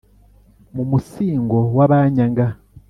Mu musingo w' abanyaga,